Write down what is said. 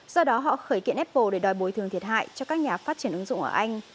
do đó họ khởi kiện apple để đòi bồi thường thiệt hại cho các nhà phát triển ứng dụng ở anh